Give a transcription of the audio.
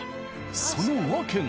その訳が。